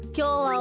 お？